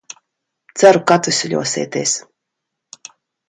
Ceru, ka atveseļosieties.